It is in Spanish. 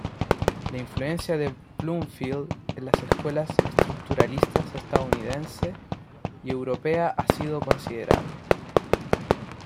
La influencia de Bloomfield en las escuelas estructuralistas estadounidense y europea ha sido considerable.